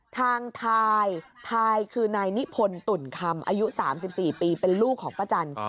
ทางทายทายคือนายนิพนธ์ตุ่นคำอายุ๓๔ปีเป็นลูกของป้าจัน